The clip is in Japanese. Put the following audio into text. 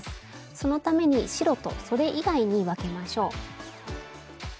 そのために白とそれ以外に分けましょう。